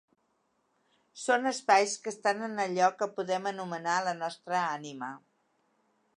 Són espais que estan en allò que podem anomenar la nostra ànima.